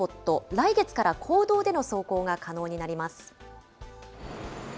来月から公道での走行が可能になります。